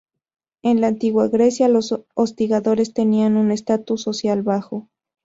En la Antigua Grecia, los hostigadores tenían un estatus social bajo.